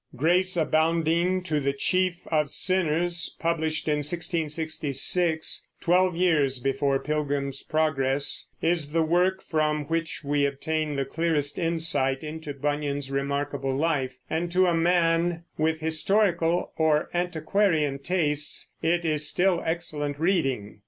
Grace Abounding to the Chief of Sinners, published in 1666, twelve years before Pilgrim's Progress, is the work from which we obtain the clearest insight into Bunyan's remarkable life, and to a man with historical or antiquarian tastes it is still excellent reading.